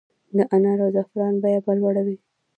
د انار او زعفرانو بیرغ به لوړ وي؟